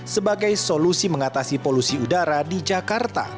sebagai solusi mengatasi polusi udara di jakarta